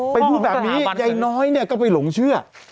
ใยน้อยเนี่ยก็ไปหลงเชื่อ